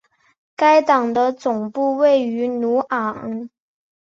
该党的总部位于鲁昂。